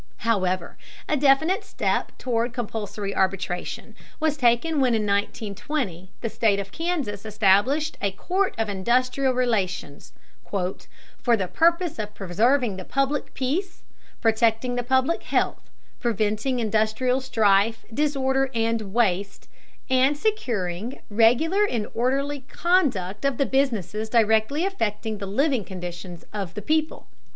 ] However, a definite step toward compulsory arbitration was taken when in 1920 the State of Kansas established a Court of Industrial Relations "for the purpose of preserving the public peace, protecting the public health, preventing industrial strife, disorder, and waste, and securing regular and orderly conduct of the businesses directly affecting the living conditions of the people."